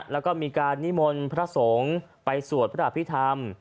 แล้วก็มีการนิมนต์พระสงฆ์ไปสวดพระอภิษฐรรม